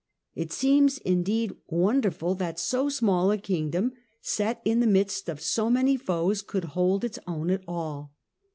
It seems, indeed, wonderful that so small a kingdom, set in the midst of so many foes, could hold its own at all.